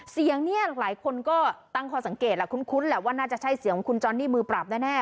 เสียงเนี่ยหลายคนก็ตั้งข้อสังเกตแหละคุ้นแหละว่าน่าจะใช่เสียงของคุณจอนนี่มือปราบแน่